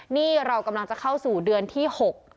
นี่เรากำลังจะเข้าสู่เดือนที่๖